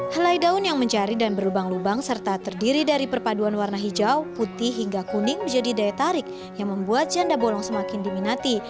helai daun yang mencari dan berlubang lubang serta terdiri dari perpaduan warna hijau putih hingga kuning menjadi daya tarik yang membuat janda bolong semakin diminati